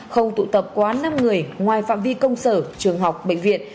không tụ tập quá năm người ngoài phạm vi công sở trường học bệnh viện